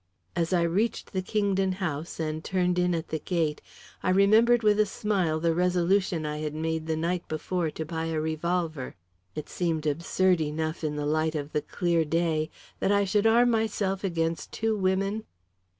As I reached the Kingdon house and turned in at the gate, I remembered with a smile the resolution I had made the night before to buy a revolver. It seemed absurd enough in the light of the clear day that I should arm myself against two women!